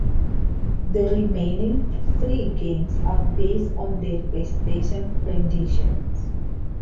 The remaining three games are based on their PlayStation renditions.